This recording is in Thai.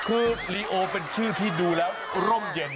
คือลีโอเป็นชื่อที่ดูแล้วร่มเย็น